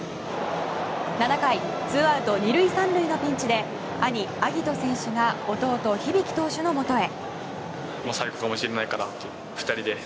７回、ツーアウト２塁３塁のピンチで兄・晶音選手が弟・響投手のもとへ。